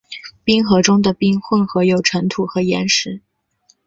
冰河中的冰混合有尘土和岩石。